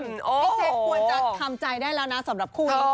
พี่แจ๊คควรจะทำใจได้แล้วนะสำหรับคู่นี้